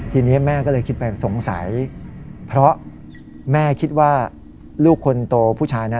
ทีนี้แม่ก็เลยคิดไปสงสัยเพราะแม่คิดว่าลูกคนโตผู้ชายนะ